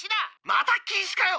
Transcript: また禁止かよ！